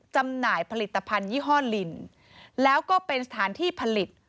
จำหน่ายผลิตภัณฑ์ยี่ห้อลินแล้วก็เป็นสถานที่ผลิต